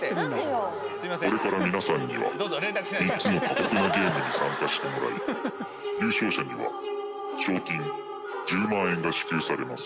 これから皆さんには、３つの過酷なゲームに参加してもらい、優勝者には賞金１０万円が支給されます。